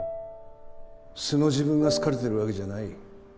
素の自分が好かれてるわけじゃない。